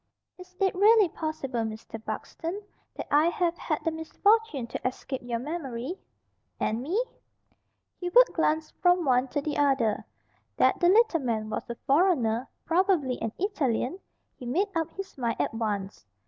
"Is it really possible, Mr. Buxton, that I have had the misfortune to escape your memory?" "And me?" Hubert glanced from one to the other. That the little man was a foreigner, probably an Italian, he made up his mind at once.